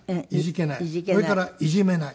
それからいじめない。